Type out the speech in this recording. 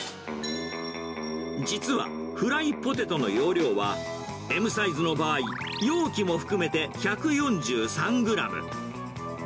実は、フライポテトの容量は、Ｍサイズの場合、容器も含めて１４３グラム。